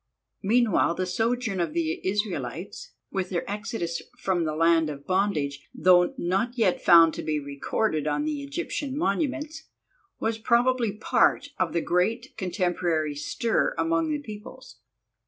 Meanwhile the sojourn of the Israelites, with their Exodus from the land of bondage, though not yet found to be recorded on the Egyptian monuments, was probably part of the great contemporary stir among the peoples.